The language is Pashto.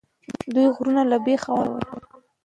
دوی غرونه له بیخه ونړول.